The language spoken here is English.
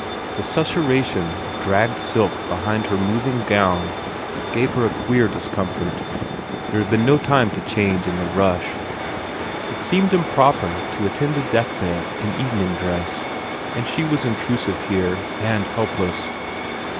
The sussuration of dragged silk behind her moving gown gave her a queer discomfort; there had been no time to change in the rush; it seemed improper to attend a death bed in evening dress. And she was intrusive, here, and helpless.